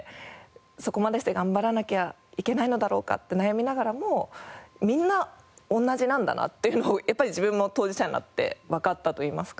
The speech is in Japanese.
そこまでして頑張らなきゃいけないのだろうかって悩みながらもみんな同じなんだなっていうのをやっぱり自分も当事者になってわかったといいますか。